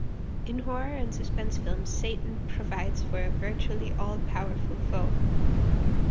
In horror and suspense films, Satan provides for a virtually all-powerful foe.